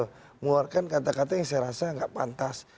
mengeluarkan kata kata yang saya rasa nggak pantas